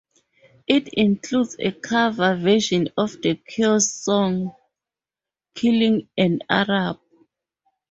It includes a cover version of The Cure's song "Killing an Arab".